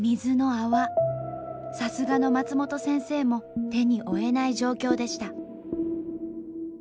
さすがの松本先生も手に負えない状況でした。